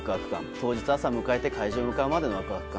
当日朝迎えて会場に向かうまでのワクワク感